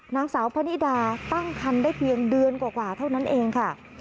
นางสาวพนิดาตั้งคันได้เพียงเดือนกว่าเท่านั้นเองค่ะ